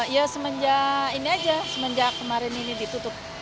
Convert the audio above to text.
ya semenjak ini aja semenjak kemarin ini ditutup